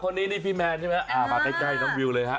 คนนี้นี่พี่แมนใช่ไหมอ่ามาใกล้น้องวิวเลยฮะ